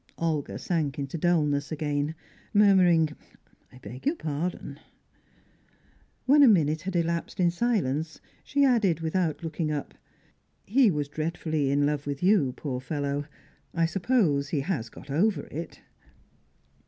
Olga sank into dulness again, murmuring, "I beg your pardon." When a minute had elapsed in silence, she added, without looking up, "He was dreadfully in love with you, poor fellow. I suppose he has got over it."